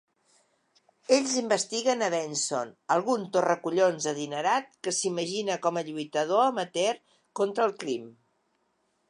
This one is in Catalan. Ells investiguen a Benson: algun torracollons adinerat que s'imagina com a lluitador amateur contra el crim.